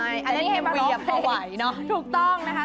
อันนี้ให้มาร้องเพลงถูกต้องนะคะ